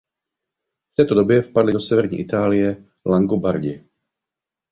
V této době vpadli do severní Itálie Langobardi.